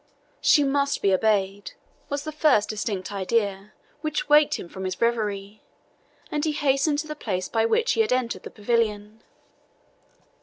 She must be obeyed, was the first distinct idea which waked him from his reverie, and he hastened to the place by which he had entered the pavilion.